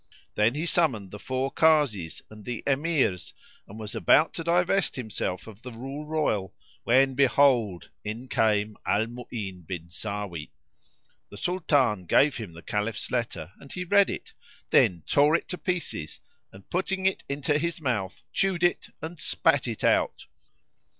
Then he summoned the four Kazis[FN#68] and the Emirs and was about to divest himself of the rule royal, when behold, in came Al Mu'ín bin Sáwí. The Sultan gave him the Caliph's letter and he read it, then tore it to pieces and putting it into his mouth, chewed it[FN#69] and spat it out.